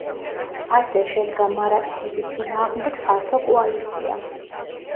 ასე შედგა მარატჰების წინააღმდეგ ფართო კოალიცია.